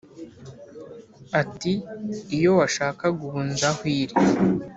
Ati: "Iyo washakaga ubu nzi aho iri,